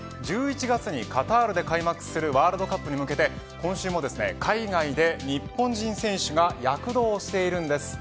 １１月にカタールで開幕するワールドカップに向けて今週も海外で日本人選手が躍動しているんです。